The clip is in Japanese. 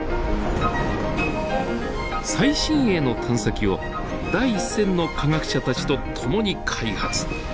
最新鋭の探査機を第一線の科学者たちと共に開発。